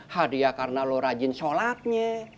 hadiah karena lo rajin sholatnya